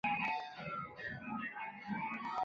费承最后官至黄门侍郎。